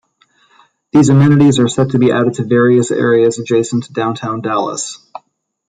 These amenities are set to be added to various areas adjacent to downtown Dallas.